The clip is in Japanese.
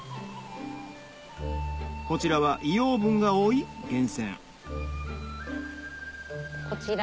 こちらは硫黄分が多い源泉あっ。